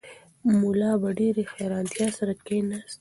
ملا په ډېرې حیرانتیا سره کښېناست.